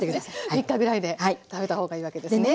３日ぐらいで食べたほうがいいわけですね。